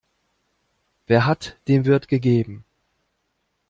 Wer hat, dem wird gegeben.